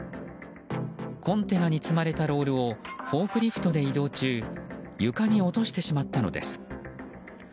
コンテナに積まれたロールをフォークリフトで移動中床に落としてしまったのです。